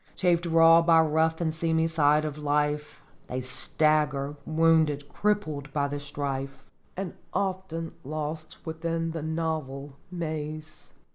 Chafed raw by rough and seamy side of life, They stagger, wounded, crippled, by the strife, And often lost within the novel maze.